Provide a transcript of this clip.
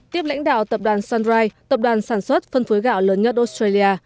tiếp lãnh đạo tập đoàn sunrise tập đoàn sản xuất phân phối gạo lớn nhất australia